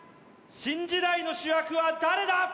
新時代の主役は誰だ！？